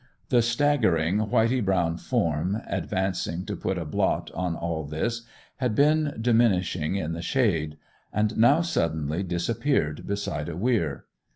The staggering whitey brown form, advancing to put a blot on all this, had been diminishing in the shade; and now suddenly disappeared beside a weir.